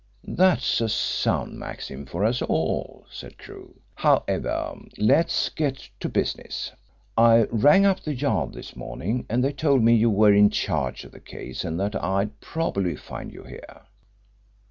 "That's a sound maxim for us all," said Crewe. "However, let's get to business. I rang up the Yard this morning and they told me you were in charge of the case and that I'd probably find you here.